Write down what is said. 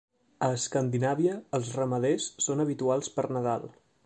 A Escandinàvia els ramaders són habituals per Nadal.